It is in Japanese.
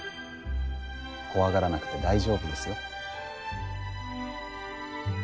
怖がらなくて大丈夫ですよ。